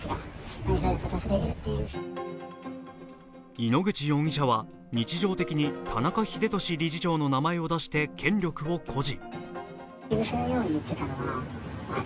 井ノ口容疑者は、日常的に田中英寿理事長の名前を出して権力を誇示。